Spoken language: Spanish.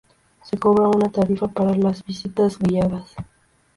Se cobra una tarifa para las visitas guiadas.